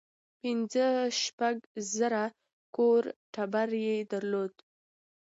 پنځه شپږ زره کور ټبر یې درلود.